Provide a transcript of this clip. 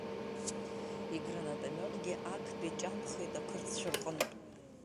Игранатамиотгьы актәи ҷанхеит ақырҭцәа рҟынтә.